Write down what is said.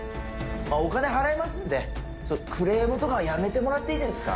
お金払いますんでクレームとかはやめてもらっていいですか？